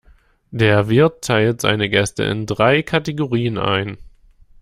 Der Wirt teilt seine Gäste in drei Kategorien ein.